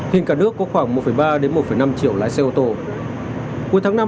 hiện cả nước có khoảng một ba đến một năm triệu lái xe vận chuyển hàng hóa